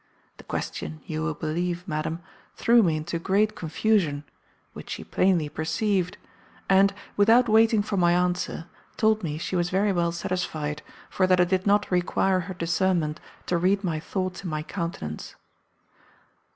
The question, you will believe, madam, threw me into great confusion, which she plainly perceived, and, without waiting for my answer, told me she was very well satisfied, for that it did not require her discernment to read my thoughts in my countenance.